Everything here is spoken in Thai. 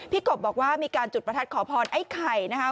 กบบอกว่ามีการจุดประทัดขอพรไอ้ไข่นะคะ